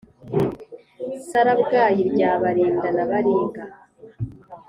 sarabwayi rya barinda na baringa